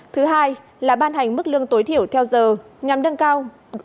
thứ hai là ban hành mức lương tối thiểu theo giờ nhằm nâng cao